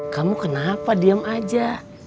kamu kenapa diam aja